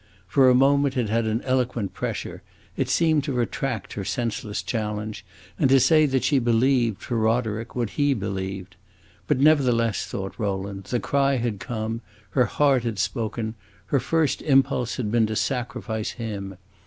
For a moment it had an eloquent pressure; it seemed to retract her senseless challenge, and to say that she believed, for Roderick, what he believed. But nevertheless, thought Rowland, the cry had come, her heart had spoken; her first impulse had been to sacrifice him.